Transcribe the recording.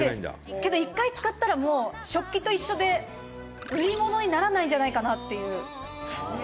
「けど、１回使ったらもう、食器と一緒で売り物にならないんじゃないかなっていう」